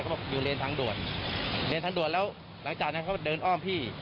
บอกอยู่เลนทางด่วนเลนทางด่วนแล้วหลังจากนั้นเขาเดินอ้อมพี่